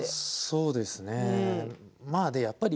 そうですね。